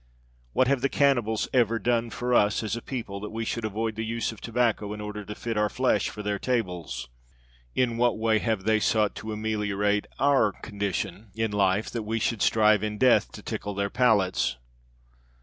What have the cannibals ever done for us as a people that we should avoid the use of tobacco in order to fit our flesh for their tables. In what way have they sought to ameliorate our condition in life that we should strive in death to tickle their palates.